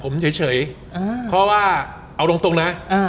ผมเฉยเฉยอ่าเพราะว่าเอาตรงตรงนะอ่า